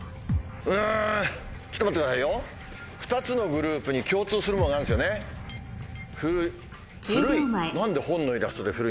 ２つのグループに共通するものがあるんですよね？